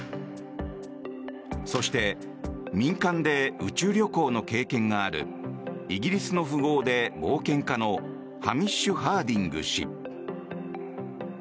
そして、民間で宇宙旅行の経験があるイギリスの富豪で冒険家のハミッシュ・ハーディング氏。